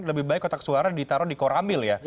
lebih baik kotak suara ditaruh di koramil ya